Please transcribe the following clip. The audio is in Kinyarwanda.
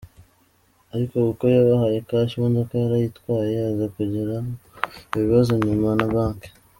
Ariko kuko yabahaye cash imodoka yarayitwaye aza kugira ibibazo nyuma na bank.